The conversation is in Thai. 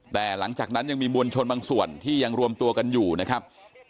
แต่หลังจากนั้นยังมีมวลชนบางส่วนที่ยังรวมตัวกันอยู่นะครับ